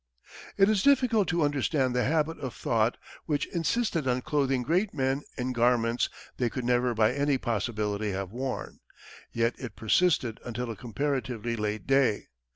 It is difficult to understand the habit of thought which insisted on clothing great men in garments they could never by any possibility have worn, yet it persisted until a comparatively late day.